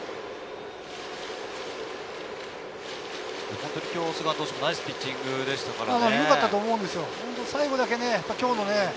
本当に今日、菅野投手ナイスピッチングでしたからね。